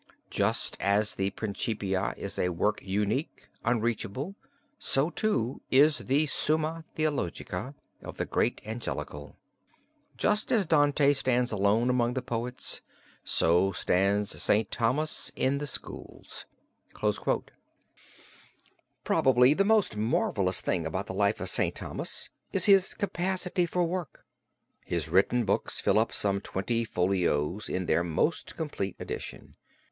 Just as the Principia is a work unique, unreachable, so, too, is the 'Summa Theologica' of the great Angelical. Just as Dante stands alone among the poets, so stands St. Thomas in the schools." Probably the most marvelous thing about the life of St. Thomas is his capacity for work. His written books fill up some twenty folios in their most complete edition.